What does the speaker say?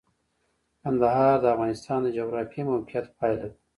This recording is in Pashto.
کندهار د افغانستان د جغرافیایي موقیعت پایله ده.